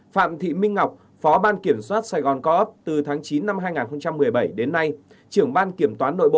phạm thị minh ngọc phó ban kiểm soát saigon co op từ tháng năm năm hai nghìn một mươi năm